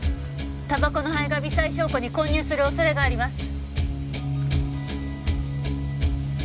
たばこの灰が微細証拠に混入する恐れがあります。